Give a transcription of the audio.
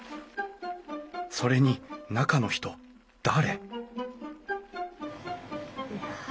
それに中の人誰？